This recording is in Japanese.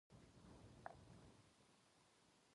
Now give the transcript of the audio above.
日本の食品ロスは深刻だ。